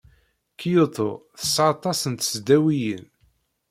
Kyoto tesɛa aṭas n tesdawiyin.